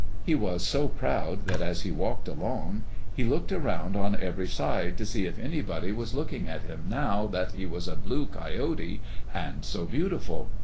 He was so proud that as he walked along he looked around on every side to see if anybody was looking at him now that he was a blue coyote and so beautiful.